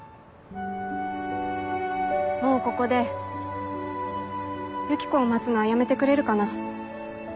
もうここでユキコを待つのはやめてくれるかな？